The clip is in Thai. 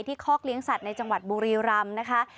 คอกเลี้ยงสัตว์ในจังหวัดบุรีรำนะคะ